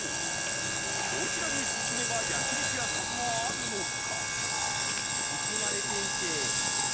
どちらに進めば焼肉屋さんはあるのか？